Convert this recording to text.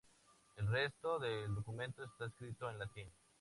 El resto del documento está escrito en latín.